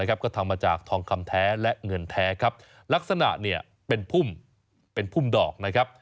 ก็ทำมาจากทองคำแท้และเงินแท้ครับลักษณะเป็นพุ่มดอกนะครับ